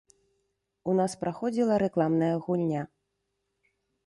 У нас праходзіла рэкламная гульня.